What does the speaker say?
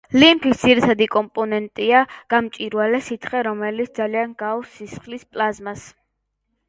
ლიმფის ძირითადი კომპონენტია გამჭვირვალე სითხე, რომელიც ძალიან ჰგავს სისხლის პლაზმას.